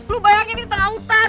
lu bayangin di tengah hutan